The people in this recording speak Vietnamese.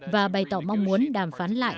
và bày tỏ mong muốn đàm phán lại